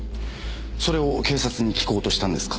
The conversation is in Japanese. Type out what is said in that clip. それを警察に聞こうとしたんですか？